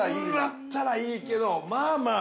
あったらいいけどまあまあ。